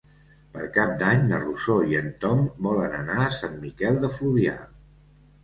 Per Cap d'Any na Rosó i en Tom volen anar a Sant Miquel de Fluvià.